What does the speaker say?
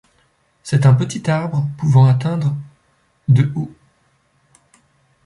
C'est un petit arbre pouvant atteindre de haut.